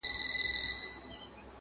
تجرۍ دي که جېبونه صندوقونه،